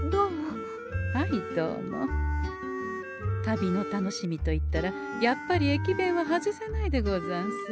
旅の楽しみといったらやっぱり駅弁は外せないでござんす。